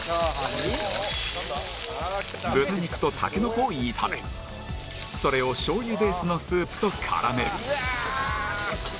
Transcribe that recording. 豚肉とタケノコを炒めそれをしょうゆベースのスープと絡める